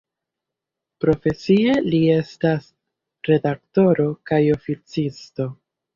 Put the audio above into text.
Profesie li estas redaktoro kaj oficisto.